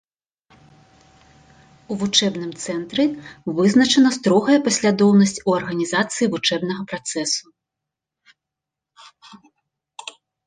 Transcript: У вучэбным цэнтры вызначана строгая паслядоўнасць у арганізацыі вучэбнага працэсу.